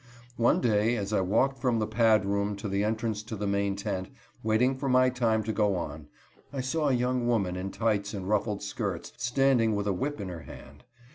One day as I walked from the pad room to the entrance to the main tent, waiting for my time to go on, I saw a young woman in tights and ruffled skirts, standing with a whip in her hand.